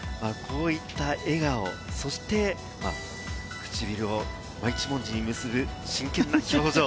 こういった笑顔、そして唇を真一文字に結ぶ真剣な表情。